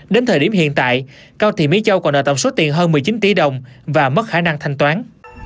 đến thời điểm hiện tại cao thị mỹ châu còn nợ tổng số tiền hơn một mươi chín tỷ đồng và mất khả năng thanh toán